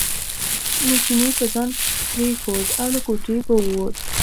نو چیني به ځای پرېښود او له کوټې به ووت.